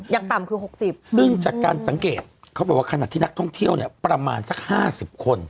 ยังต่ำคือ๖๐ซึ่งจากการสังเกตเขาบอกว่าขณะที่นักท่องเที่ยวเนี่ยประมาณสัก๕๐คน